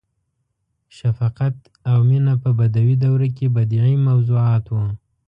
• شفقت او مینه په بدوي دوره کې بدیعي موضوعات وو.